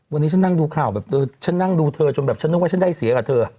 วันนี้ฉันนั่งดูข่าวแบบเธอฉันนั่งดูเธอจนแบบฉันนึกว่าฉันได้เสียกับเธอ